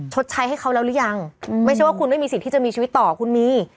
ชดใช้ให้เขาแล้วหรือยังไม่ใช่ว่าคุณไม่มีสิทธิ์ที่จะมีชีวิตต่อคุณมี